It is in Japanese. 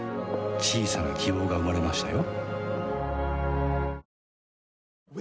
小さな希望が生まれましたよ